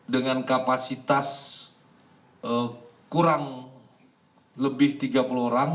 dengan kapasitas kurang lebih tiga puluh orang